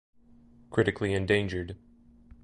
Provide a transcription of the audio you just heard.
Critically endangered.